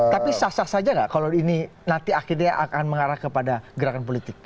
tapi sah sah saja nggak kalau ini nanti akhirnya akan mengarah kepada gerakan politik